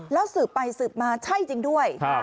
แล้วสืบไปสืบมาใช่จริงด้วย